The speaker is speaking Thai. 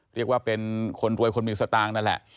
เรียกว่าเป็นคนรวยคนมีสตางค์นั่นแหละ